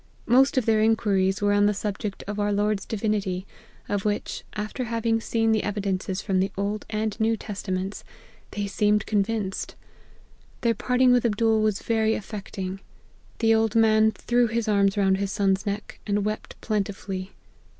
Most of their inquiries were on the subject of our Lord's divini ty, of which, after having seen the evidences from the Old and New Testaments, they seemed con vinced. Their parting with Abdool was very af fecting. The old man threw his arms round his son's neck, and wept plentifully.